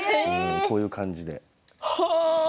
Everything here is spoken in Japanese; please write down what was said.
こういう感じです。